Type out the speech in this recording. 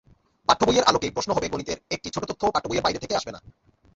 পাঠ্যবইয়ের আলোকেই প্রশ্ন হবেগণিতের একটি ছোট তথ্যও পাঠ্যবইয়ের বাইরে থেকে আসবে না।